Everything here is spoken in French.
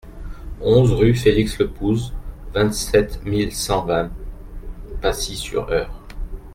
onze rue Felix Lepouze, vingt-sept mille cent vingt Pacy-sur-Eure